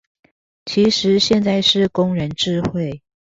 其實現在是工人智慧